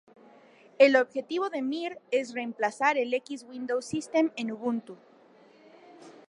El objetivo de Mir es reemplazar el X Window System en Ubuntu.